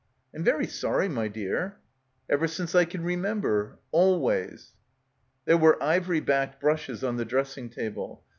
"I'm very sorry, my dear." "Ever since I can remember. Always." There were ivory backed brushes on the dress ing table.